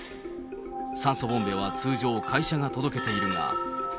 酸素ボンベは通常、会社が届けているが。